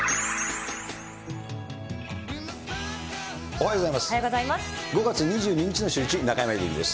おはようございます。